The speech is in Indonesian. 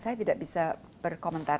saya tidak bisa berkomentar